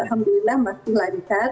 alhamdulillah masih larikan